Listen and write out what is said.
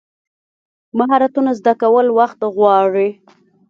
مهارتونه زده کول وخت غواړي.